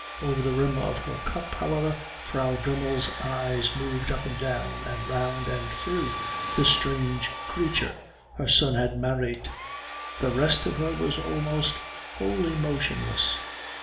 Over the rim of her cup, however, Frau Dremmel's eyes moved up and down and round and through the strange creature her son had married. The rest of her was almost wholly motionless.